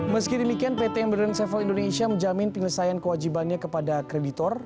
meski demikian pt emburan sevel indonesia menjamin penyelesaian kewajibannya kepada kreditor